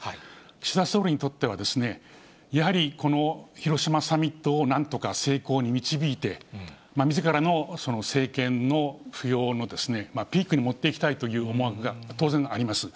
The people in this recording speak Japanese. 岸田総理にとっては、やはりこの広島サミットをなんとか成功に導いて、みずからの政権の浮揚のピークに持っていきたいという思惑が、当然あります。